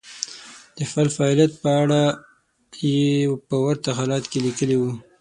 د خپل فعاليت په اړه يې په ورته حالت کې ليکلي وو.